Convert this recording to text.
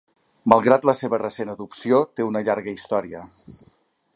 Malgrat la seva recent adopció, té una llarga història.